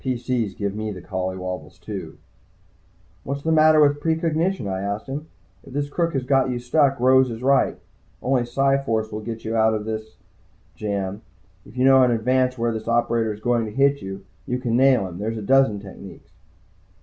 PC's give me the colly wobbles, too. "What's the matter with precognition?" I asked him. "If this crook has got you stuck, Rose is right. Only Psi force will get you out of this jam. If you know in advance where this operator is going to hit you, you can nail him. There's a dozen techniques."